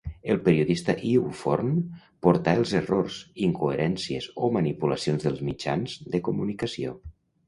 El periodista Iu Forn portà els errors, incoherències o manipulacions dels mitjans de comunicació.